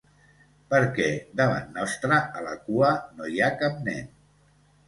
Perquè davant nostre, a la cua, no hi ha cap nen.